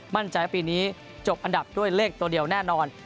มั่นใจว่าปีนี้จบอันดับด้วยเลขตัวเดียวแน่นอน